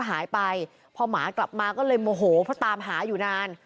หายไปพอหมากลับมาก็เลยโมโหเพราะตามหาอยู่นาน